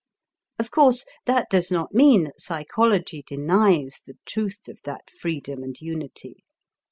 Of course that does not mean that psychology denies the truth of that freedom and unity.